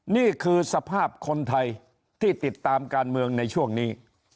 นี่คือสภาพคนไทยที่ติดตามการเมืองในช่วงนี้